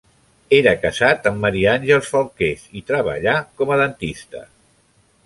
Era casat amb Maria Àngels Falqués i treballà com a dentista.